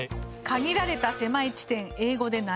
「限られた狭い地点英語で何ポイント？」